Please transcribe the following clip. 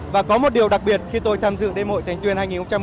và có một điều đặc biệt khi tôi tham dự đêm hội thành tuyên hai nghìn một mươi chín